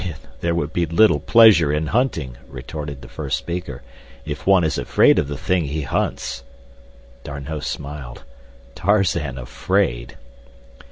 "There would be little pleasure in hunting," retorted the first speaker, "if one is afraid of the thing he hunts." D'Arnot smiled. Tarzan afraid!